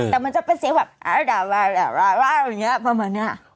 แต่มันจะเป็นเสียงแบบแบบแบบแบบแบบแบบแบบแบบแบบเหมือนเนี่ย